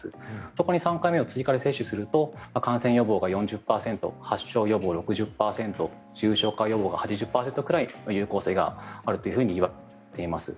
そこに３回目を追加で接種すると感染予防が４０％発症予防、６０％重症化予防が８０％くらいの有効性があるといわれています。